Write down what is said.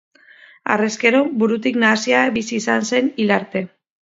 Harrezkero, burutik nahasia bizi izan zen hil arte.